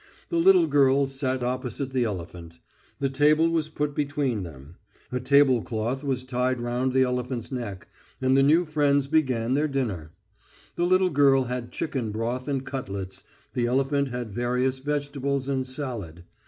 The little girl sat opposite the elephant. The table was put between them. A tablecloth was tied round the elephant's neck, and the new friends began their dinner. The little girl had chicken broth and cutlets, the elephant had various vegetables and salad.